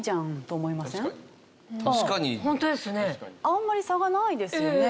あんまり差がないですよね。